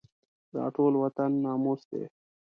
دا ټول وطن ناموس دی.